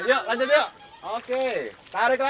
yuk lanjut yuk oke tarik lagi